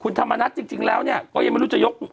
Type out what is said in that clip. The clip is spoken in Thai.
คุณธรรมนัฐจริงแล้วเนี่ยก็ยังไม่รู้จะยก